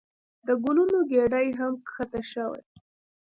د ګلونو ګېډۍ هم ښکته شوې.